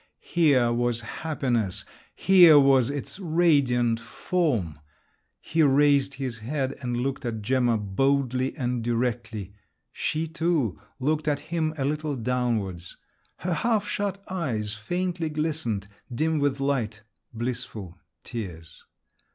Here was happiness, here was its radiant form! He raised his head, and looked at Gemma, boldly and directly. She, too, looked at him, a little downwards. Her half shut eyes faintly glistened, dim with light, blissful tears.